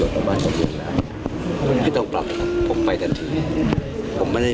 ผมเรียนตั้งแต่ฉาวนะ